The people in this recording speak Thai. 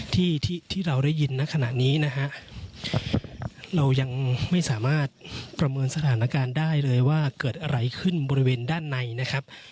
ที่เราได้ยินณขณะนี้นะฮะเรายังไม่สามารถประเมินสถานการณ์ได้เลยว่าเกิดอะไรขึ้นบริเวณด้านในนะครับ